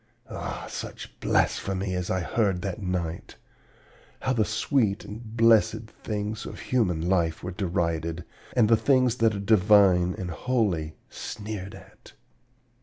Ah, such blasphemy as I heard that night! How the sweet and blessed things of human life were derided, and the things that are divine and holy sneered at!